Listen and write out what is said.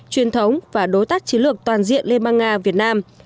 truyền thống và đối tác chiến lược toàn diện liên bang nga việt nam